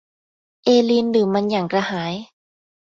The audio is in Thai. เอลีนดื่มมันอย่างกระหาย